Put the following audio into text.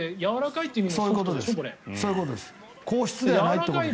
そういうことです。